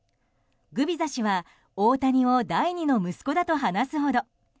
グビザ氏は大谷を第２の息子だと話すほど。